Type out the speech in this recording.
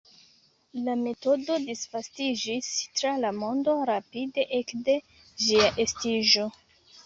La metodo disvastiĝis tra la mondo rapide, ekde ĝia estiĝo.